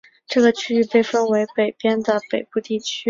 这个区域被分为北边的北部地区。